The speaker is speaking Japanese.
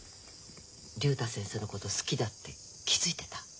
竜太先生のこと好きだって気付いてた？